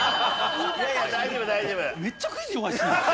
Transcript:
いやいや大丈夫大丈夫。